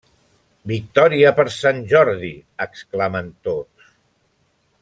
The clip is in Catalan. Victòria per Sant Jordi!, exclamen tots.